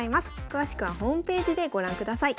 詳しくはホームページでご覧ください。